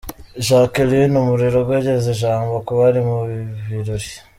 Jacqueline Umurerwa ageza ijambo ku bari muri ibi birori.